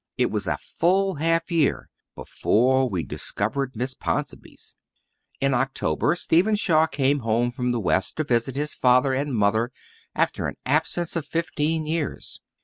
It was a full half year before we discovered Miss Ponsonby's. In October, Stephen Shaw came home from the west to visit his father and mother after an absence of fifteen years.